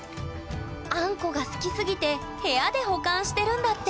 あんこが好きすぎて部屋で保管してるんだって！